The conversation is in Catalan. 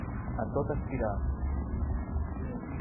A tot estirar.